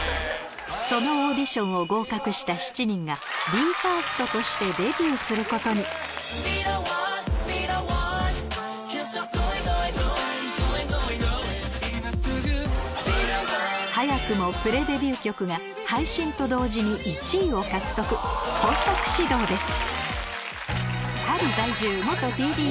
そのオーディションを合格した７人が ＢＥ：ＦＩＲＳＴ としてデビューすることに早くもプレデビュー曲がを獲得本格始動です